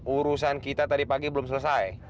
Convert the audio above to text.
urusan kita tadi pagi belum selesai